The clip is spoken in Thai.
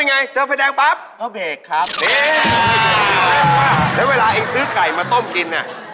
แล้วเวลาเองซื้อไก่มาต้มกินน่ะ